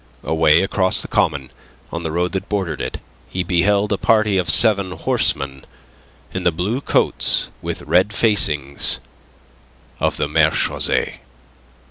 Away across the common, on the road that bordered it, he beheld a party of seven horsemen in the blue coats with red facings of the marechaussee.